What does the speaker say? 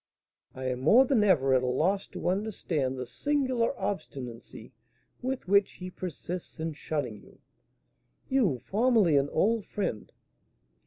"I am more than ever at a loss to understand the singular obstinacy with which he persists in shunning you, you, formerly an old friend.